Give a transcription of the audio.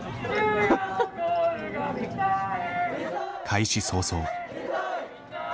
開始早々。